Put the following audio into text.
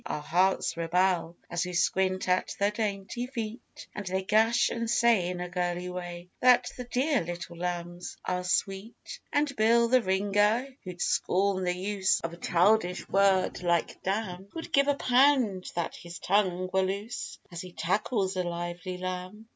(Our hearts rebel As we squint at their dainty feet.) And they gush and say in a girly way That 'the dear little lambs' are 'sweet.' And Bill, the ringer, who'd scorn the use Of a childish word like 'damn,' Would give a pound that his tongue were loose As he tackles a lively lamb.